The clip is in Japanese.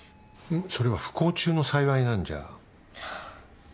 それは不幸中の幸いなんじゃ。